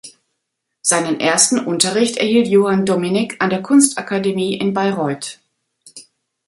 Seinen ersten Unterricht erhielt Johann Dominik an der Kunstakademie in Bayreuth.